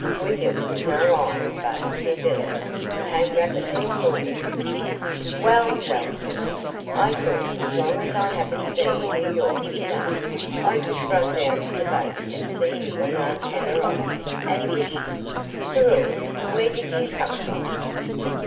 William, with no eyes but for Billy, came rapidly forward. "Well, well, Billy! I thought as long as I happened to be in New York to day I'd just run down to the boat and see you and Aunt Hannah off, and wish CYRIL! Where did YOU come from?"